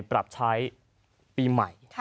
ปรับใช้ปีใหม่